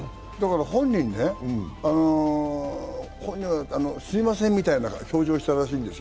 本人ね、すいませんみたいな表情をしたらしいんですよ。